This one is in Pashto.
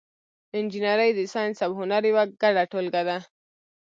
انجنیری د ساینس او هنر یوه ګډه ټولګه ده.